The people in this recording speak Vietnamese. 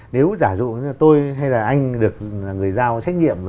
nếu giả dụ tôi hay là anh được người giao trách nhiệm